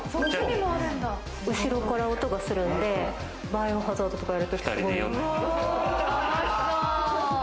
後ろから音がするので『バイオハザード』とかやると、すごい。